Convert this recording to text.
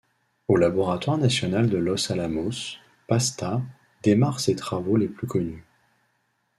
Au Laboratoire national de Los Alamos, Pasta démarre ses travaux les plus connus.